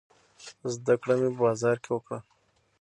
زده کړه مې په بازار کې وکړه.